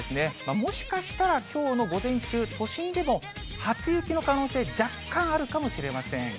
もしかしたらきょうの午前中、都心でも初雪の可能性、若干あるかもしれません。